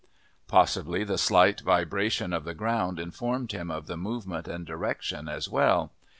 Possibly the slight vibration of the ground informed him of the movement and the direction as well.